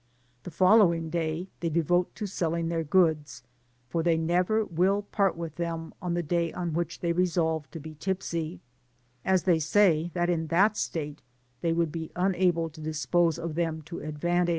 The following day they devote to selling their goods, for they never will part with them on the day on which they resolve to be tipsy, as they conceive that in that state they would be unable to dispose of them to advantage.